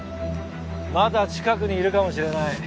まだ近くにいるかもしれない。